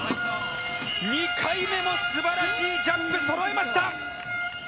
２回目も、すばらしいジャンプそろいました！